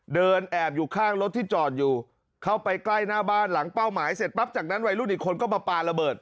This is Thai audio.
เดินแอบอยู่ข้างรถที่จอดอยู่เข้าไปใกล้หน้าบ้านหลังเป้าหมายเสร็จปั๊บจากนั้นวัยรุ่นอีกคนก็มาปลาระเบิด